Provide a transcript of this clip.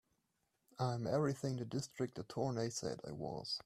I'm everything the District Attorney said I was.